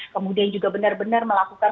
kemudian juga benar benar melakukan